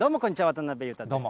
渡辺裕太です。